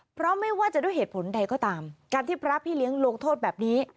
เพราะไม่ว่าจะด้วยเหตุผลใดก็ตามการที่พระพี่เลี้ยงลงโทษแบบนี้